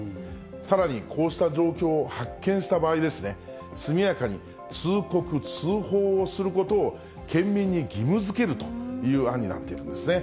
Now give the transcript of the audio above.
さらにこうした状況を発見した場合ですね、速やかに通告、通報をすることを県民に義務づけるという案になっているんですね。